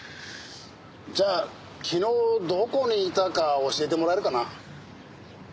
じゃあ昨日どこにいたか教えてもらえるかな？